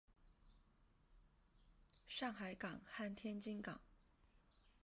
上海港和天津港